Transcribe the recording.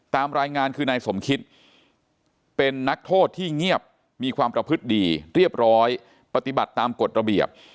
ตามรายงานคือนายสมคิตเป็นนักโทษที่เงียบมีความประพฤติดีเรียบร้อยปฏิบัติตามกฎระเบียบ